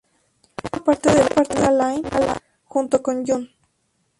Forma parte de la China Line junto con Jun.